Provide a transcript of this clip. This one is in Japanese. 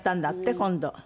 今度。